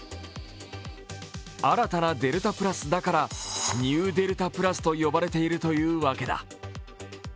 新たなデルタプラスだからニューデルタプラスと呼ばれているというわけだ。